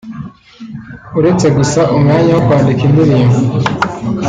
“Uretse gusa umwanya wo kwandika indirimbo